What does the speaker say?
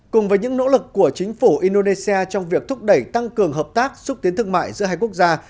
cùng với những nỗ lực của chính phủ indonesia trong việc thúc đẩy tăng cường hợp tác xúc tiến thương mại giữa hai quốc gia